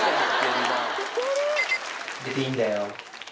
出ていいんだよ。